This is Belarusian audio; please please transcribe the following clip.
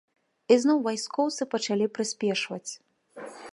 І зноў вайскоўцы пачалі прыспешваць.